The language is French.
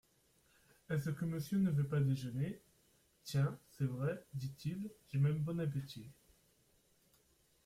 Est-ce que monsieur ne veut pas déjeuner ? Tiens, c'est vrai, dit-il, j'ai même bon appétit.